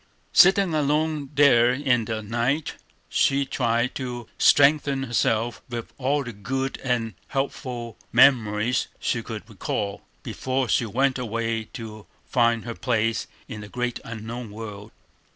Sitting alone there in the night, she tried to strengthen herself with all the good and helpful memories she could recall, before she went away to find her place in the great unknown world.